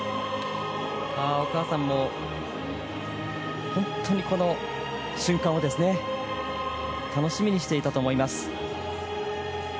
お母さんも本当に、この瞬間を楽しみにしていたと思います。